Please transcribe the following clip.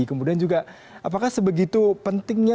kemudian juga apakah sebegitu pentingnya